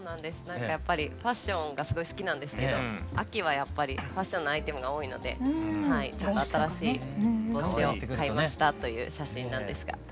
何かやっぱりファッションがすごい好きなんですけど秋はやっぱりファッションのアイテムが多いのでちょっと新しい帽子を買いましたという写真なんですが。